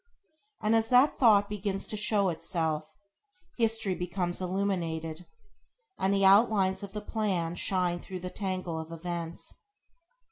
And as that thought begins to show itself, history becomes illuminated, and the outlines of the plan shine through the tangle of events.